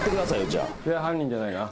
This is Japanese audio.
じゃあ犯人じゃないな。